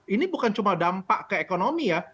ini bukan cuma dampak ke ekonomi ya